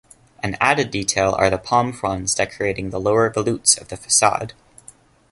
An added detail are the palm fronds decorating the lower volutes of the facade.